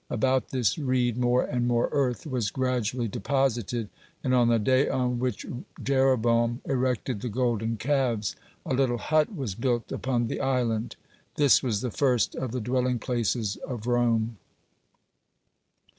About this reed more and more earth was gradually deposited, and, on the day on which Jeroboam erected the golden calves, a little hut was built upon the island. This was the first of the dwelling places of Rome.